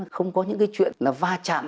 không có những chuyện va chặn